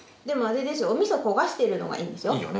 でもあれでしょお味噌焦がしてるのがいいんでしょ？